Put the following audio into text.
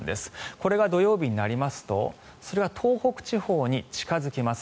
これが土曜日になりますとそれは東北地方に近付きます。